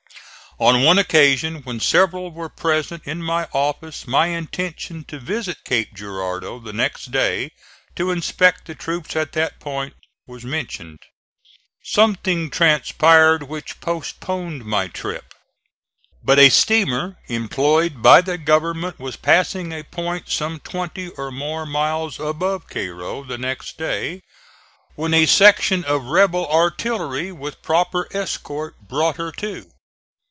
On one occasion when several were present in my office my intention to visit Cape Girardeau the next day, to inspect the troops at that point, was mentioned. Something transpired which postponed my trip; but a steamer employed by the government was passing a point some twenty or more miles above Cairo, the next day, when a section of rebel artillery with proper escort brought her to.